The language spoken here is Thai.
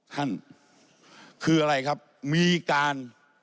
ท่านคืออะไรครับมีการ